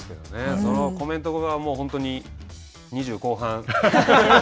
そのコメントが本当に２０後半。